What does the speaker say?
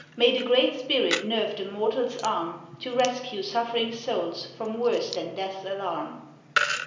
May the Great Spirit nerve the mortal's arm To rescue suffering souls from worse than death's alarm.